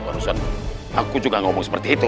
barusan aku juga ngomong seperti itu